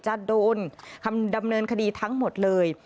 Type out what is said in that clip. จะโดนดำเนินคดีทั้งหมดเลย